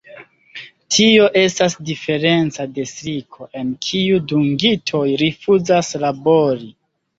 Tio estas diferenca de striko, en kiu dungitoj rifuzas labori.